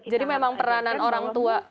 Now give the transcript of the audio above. jadi memang peranan orang tua